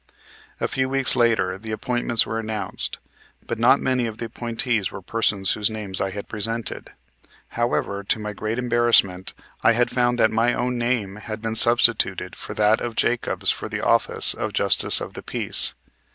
A few weeks later the appointments were announced; but not many of the appointees were persons whose names I had presented. However, to my great embarrassment I found that my own name had been substituted for that of Jacobs for the office of Justice of the Peace.